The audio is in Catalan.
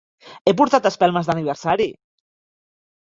He portat espelmes d'aniversari.